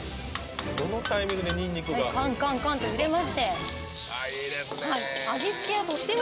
どのタイミングでにんにくがはいカンカンカンと入れましてあっいいですね